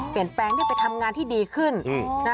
เปลี่ยนแปลงนี่เป็นทำงานที่ดีขึ้น